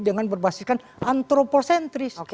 dengan berbasiskan antropocentris